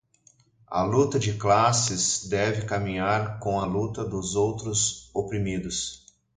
A luta de classes deve caminhar com a luta dos outros oprimidos